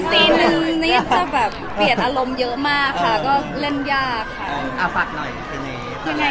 สี่จริงในสตินนิดแต่เปลี่ยนอารมณ์เยอะมากค่ะก็เล่นยากค่ะ